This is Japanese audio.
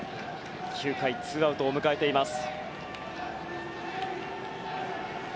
９回ツーアウトを迎えています。